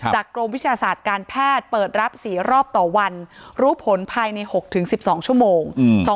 กรมวิชาศาสตร์การแพทย์เปิดรับ๔รอบต่อวันรู้ผลภายใน๖๑๒ชั่วโมง